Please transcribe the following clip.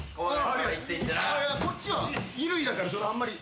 こっちは衣類だからあんまり。